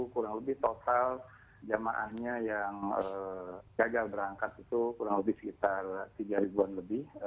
kurang lebih total jemaahnya yang gagal berangkat itu kurang lebih sekitar tiga ribuan lebih